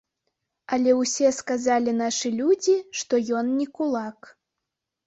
Але ўсе сказалі нашы людзі, што ён не кулак.